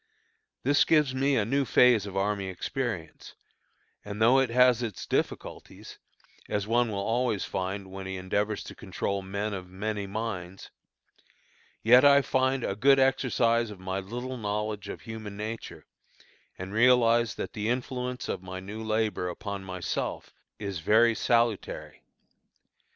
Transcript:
This gives me a new phase of army experience, and though it has its difficulties, as one will always find when he endeavors to control "men of many minds," yet I find a good exercise of my little knowledge of human nature, and realize that the influence of my new labor upon myself is very salutary.